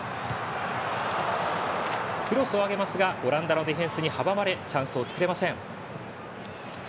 クロスを上げますがオランダのディフェンスに阻まれチャンスを作れません。